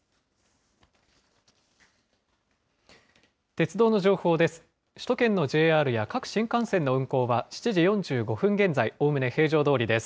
鉄道の情報です。